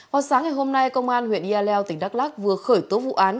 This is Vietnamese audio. hôm sáng ngày hôm nay công an huyện yaleo tỉnh đắk lắc vừa khởi tố vụ án